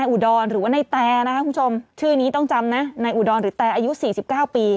อุดรหรือว่าในแตนะคะคุณผู้ชมชื่อนี้ต้องจำนะในอุดรหรือแต่อายุสี่สิบเก้าปี